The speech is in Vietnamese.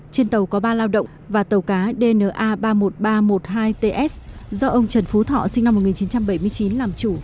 trên tàu có ba lao động và tàu cá dna ba mươi một nghìn ba trăm một mươi hai ts do ông trần phú thọ sinh năm một nghìn chín trăm bảy mươi chín làm chủ